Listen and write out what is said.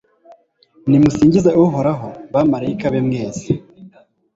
nimusingize uhoraho, bamalayika be mwese